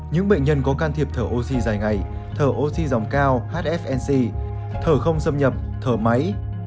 những bệnh nhân có can thiệp thở oxy dài ngày thở oxy dòng cao hfnc thở không xâm nhập thở máy